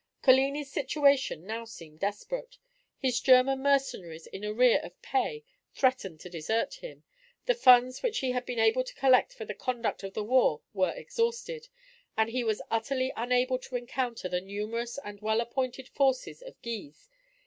Coligni's situation now seemed desperate. His German mercenaries in arrear of pay, threatened to desert him; the funds which he had been able to collect for the conduct of the war were exhausted; and he was utterly unable to encounter the numerous and well appointed forces of Guise.